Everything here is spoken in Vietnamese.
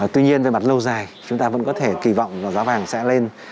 tuy nhiên về mặt lâu dài chúng ta vẫn có thể kỳ vọng giá vàng sẽ lên